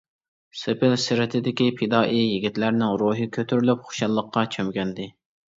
سېپىل سىرتىدىكى پىدائىي يىگىتلەرنىڭ روھى كۆتۈرۈلۈپ خۇشاللىققا چۆمگەنىدى.